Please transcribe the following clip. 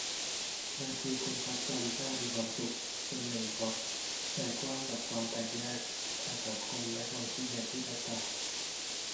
"บางทีที่คนคอสตาริกามีความสุข ส่วนหนึ่งเพราะ ใจกว้างกับความแตกแยกทางสังคมและความคิดเห็นที่แตกต่าง"